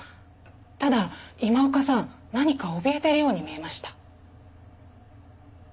ただ今岡さん何かおびえているように見えました。